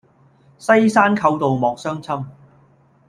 西山寇盜莫相侵。